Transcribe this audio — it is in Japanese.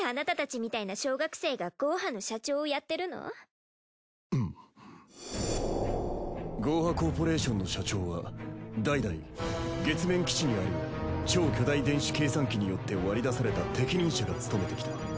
ユウロ：ゴーハ・コーポレーションの社長は代々月面基地にある超巨大電子計算機によって割り出された適任者が務めてきた。